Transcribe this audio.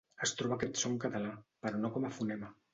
Es troba aquest so en català, però no com a fonema.